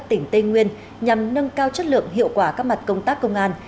tỉnh tây nguyên nhằm nâng cao chất lượng hiệu quả các mặt công tác công an